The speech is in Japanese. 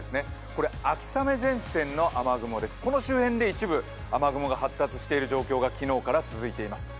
この周辺で一部雨雲が発達している状況が昨日から続いています。